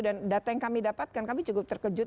dan data yang kami dapatkan kami cukup terkejut